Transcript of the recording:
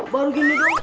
baru gini dong